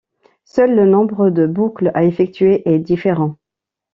Seul le nombre de boucles à effectuer est différent.